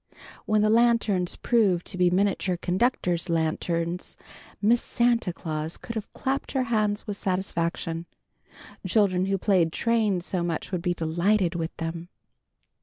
When the lanterns proved to be miniature conductor's lanterns Miss Santa Claus could have clapped her hands with satisfaction. Children who played train so much would be delighted with them.